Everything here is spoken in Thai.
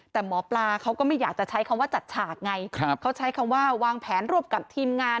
แต่หมอปลาเขาก็ไม่อยากจะใช้คำว่าจัดฉากไงเขาใช้คำว่าวางแผนรวบกับทีมงาน